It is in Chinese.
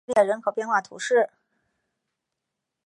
莱阿列人口变化图示